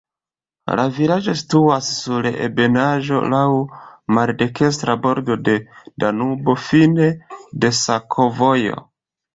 La vilaĝo situas sur ebenaĵo, laŭ maldekstra bordo de Danubo, fine de sakovojo.